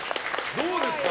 どうですか？